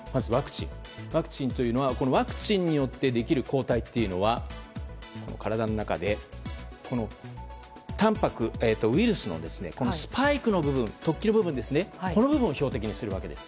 ワクチンというのはワクチンによってできる抗体というのは体の中でウイルスのスパイクの部分を標的にするわけです。